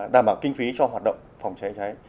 đảm bảo kinh phí cho hoạt động phòng cháy cháy